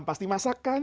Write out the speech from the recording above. pasti masak kan